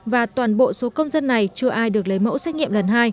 và toàn bộ số công dân này chưa ai được lấy mẫu xét nghiệm lần hai